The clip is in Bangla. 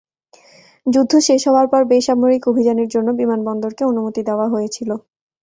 যুদ্ধ শেষ হওয়ার পর বেসামরিক অভিযানের জন্য বিমানবন্দরকে অনুমতি দেওয়া হয়েছিল।